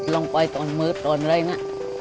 ลงไปตอนมือตอนเลยนะ